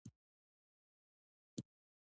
ایا ته غواړې چې د سوات د درو د تاریخ په اړه واورې؟